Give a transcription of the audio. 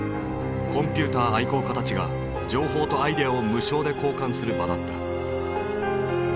コンピューター愛好家たちが情報とアイデアを無償で交換する場だった。